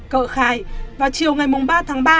cở khai và chiều ngày ba tháng ba